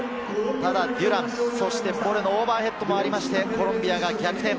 ただデュラン、そしてボレのオーバーヘッドもありまして、コロンビアが逆転。